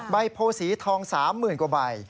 ใบโพสีทอง๓๐๐๐กว่าใบ